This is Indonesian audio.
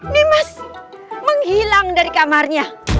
nimas menghilang dari kamarnya